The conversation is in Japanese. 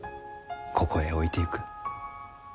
ここへ置いてゆく。